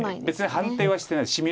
別に判定はしてない。